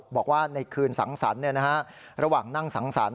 บอกว่าในคืนสังสรรค์ระหว่างนั่งสังสรรค